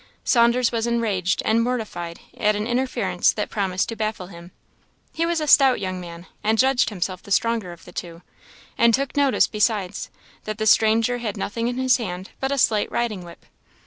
Saunders was enraged and mortified at an interference that promised to baffle him; he was a stout young man, and judged himself the stronger of the two, and took notice, besides, that the stranger had nothing in his hand but a slight riding whip.